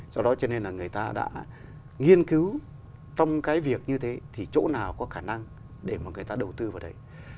do đó cho nên là người ta đã nghiên cứu trong cái việc như thế thì chỗ nào có khả năng để mà người ta đầu tư vào đấy